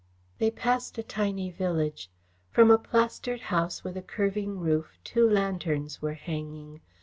They passed a tiny village. From a plastered house with a curving roof, two lanterns were hanging.